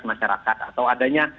masyarakat atau adanya